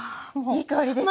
いい香りですね。